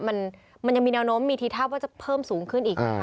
มันยังมีแนวโน้มมีทีท่าว่าจะเพิ่มสูงขึ้นอีก